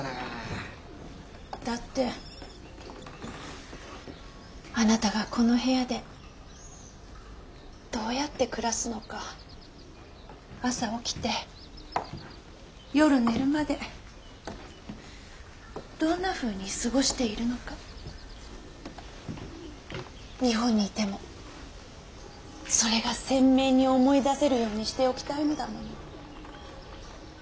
だってあなたがこの部屋でどうやって暮らすのか朝起きて夜寝るまでどんなふうに過ごしているのか日本にいてもそれが鮮明に思い出せるようにしておきたいのだもの。